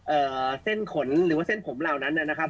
เอ่อเส้นขนหรือว่าเส้นผมเหล่านั้นเนี่ยนะครับ